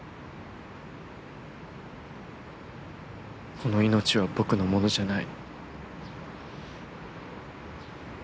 この命は僕のものじゃない。